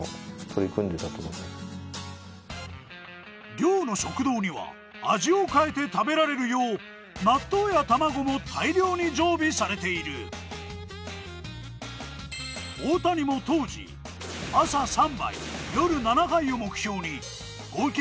寮の食堂には味を変えて食べられるよう納豆や卵も大量に常備されている大谷も当時合計